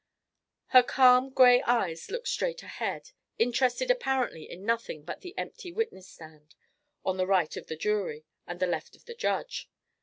Her calm grey eyes looked straight ahead, interested apparently in nothing but the empty witness stand, on the right of the jury and the left of the judge.